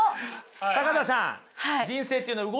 坂田さん